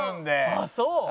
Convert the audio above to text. ああそう！